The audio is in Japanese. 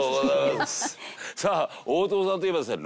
さあ大友さんといえばですね